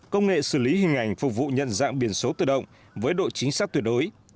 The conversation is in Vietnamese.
công nghệ xử lý hình ảnh phục vụ nhận dạng biển số tự động với độ chính xác tuyệt đối